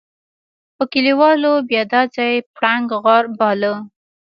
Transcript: خو کليوالو بيا دا ځای پړانګ غار باله.